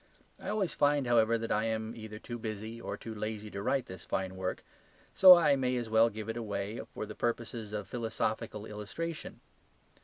I always find, however, that I am either too busy or too lazy to write this fine work, so I may as well give it away for the purposes of philosophical illustration.